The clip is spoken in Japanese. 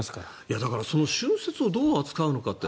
だから、その春節をどう扱うのかって。